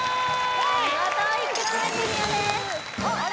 見事１曲目クリアですあ